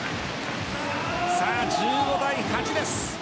１５対８です。